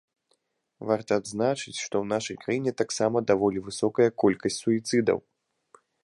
Варта адзначыць, што ў нашай краіне таксама даволі высокая колькасць суіцыдаў.